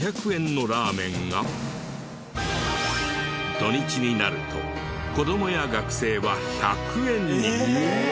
土日になると子供や学生は１００円に。